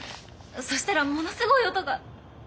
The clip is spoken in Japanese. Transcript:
そしたらものすごい音が。